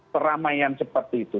keramaian seperti itu